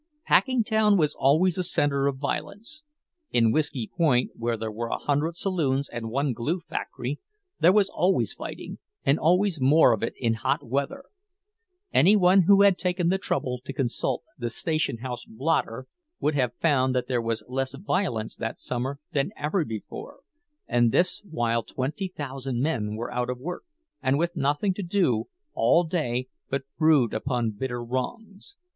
Packingtown was always a center of violence; in "Whisky Point," where there were a hundred saloons and one glue factory, there was always fighting, and always more of it in hot weather. Any one who had taken the trouble to consult the station house blotter would have found that there was less violence that summer than ever before—and this while twenty thousand men were out of work, and with nothing to do all day but brood upon bitter wrongs.